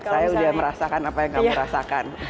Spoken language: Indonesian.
saya udah merasakan apa yang kamu rasakan